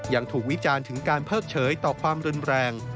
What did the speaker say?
ยังถูกวิจารณ์ถึงการเพิกเฉยต่อความรุนแรง